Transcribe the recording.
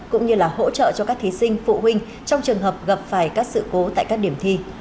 cũng như là hỗ trợ cho các thí sinh phụ huynh trong trường hợp gặp phải các sự cố tại các điểm thi